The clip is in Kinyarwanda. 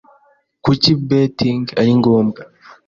Kuki Betting ari ngombwa